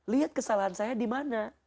lihat kesalahan saya dimana